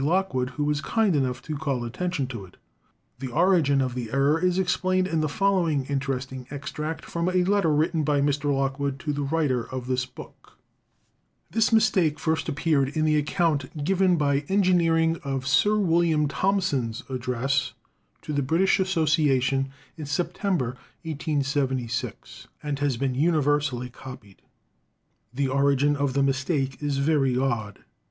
Lock wood, who was kind enough to call attention to it. The origin of the error is explained in the following inter esting extract from a letter written by Mr. Loekwood to the writer of this book: THE TELEPHONE 265 " 'This mistake first appeared in the account given by Engineering of Sir William Thomson's address to the British Association in September, 1876, and has been uni versally copied. The origin of the mistake is very odd.